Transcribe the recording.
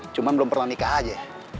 cuma belum pernah nikah aja